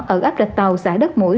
ở áp lệch tàu xã đất mũi